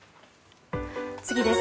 次です。